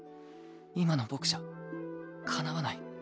今の僕じゃかなわない。